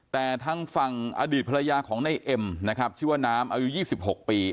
แต่ทางฝั่งอดีตภรรยาของในเอ็มนะครับชื่อว่าน้ำอายุ๒๖ปี